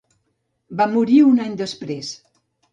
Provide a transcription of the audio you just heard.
Va morir un any després.